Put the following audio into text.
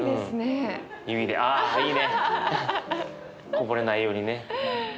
こぼれないようにね。